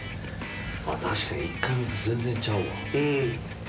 確かに１回目と全然ちゃうわ。